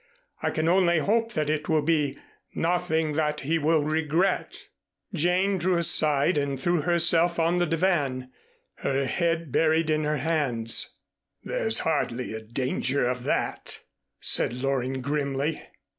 "I can only hope that it will be nothing that he will regret." Jane drew aside and threw herself on the divan, her head buried in her hands. "There's hardly a danger of that," said Loring grimly.